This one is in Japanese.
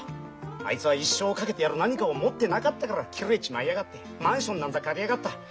あいつは一生を懸けてやる何かを持ってなかったから切れちまいやがってマンションなんざ借りやがった。